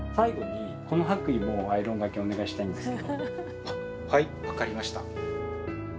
最後にはい分かりました。